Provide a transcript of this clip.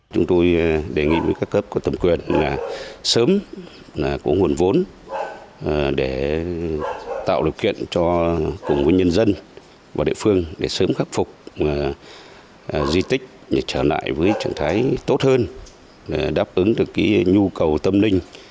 chúng tôi đề nghị với các cấp có tầm quyền là sớm có nguồn vốn để tạo điều kiện cho cùng với nhân dân và địa phương để sớm khắc phục di tích trở lại với trạng thái tốt hơn đáp ứng được nhu cầu tâm linh